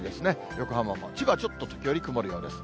横浜も、千葉ちょっと時折曇るようです。